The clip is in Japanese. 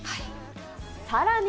さらに。